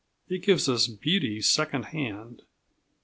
It gives us beauty second hand.